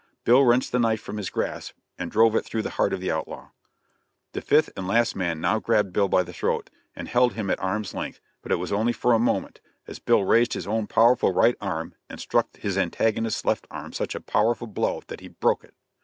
Bill wrenched the knife from his grasp and drove it through the heart of the outlaw. [Illustration: WILD BILL AND THE OUTLAWS.] The fifth and last man now grabbed Bill by the throat, and held him at arm's length, but it was only for a moment, as Bill raised his own powerful right arm and struck his antagonist's left arm such a terrible blow that he broke it.